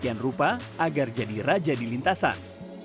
pemainnya juga dikumpulkan dengan rupa agar jadi raja di lintasan